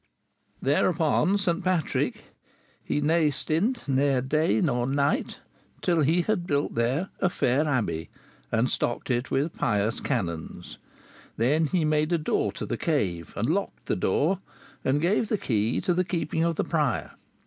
'" Thereupon St. Patrick, "he ne stynte ner day ne night," till he had built there a "fayr abbey," and stocked it with pious canons. Then he made a door to the cave, and locked the door, and gave the key to the keeping of the prior.